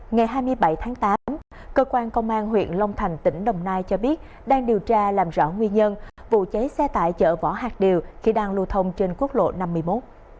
ngày hai mươi bảy tháng tám cơ quan công an huyện long thành tỉnh đồng nai cho biết đang điều tra làm rõ nguyên nhân vụ cháy xe tải chợ võ hạc điều khi đang lưu thông trên quốc lộ năm mươi một